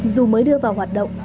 dù mới đưa vào hoạt động